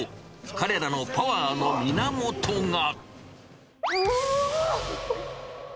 彼らのパワーの源が。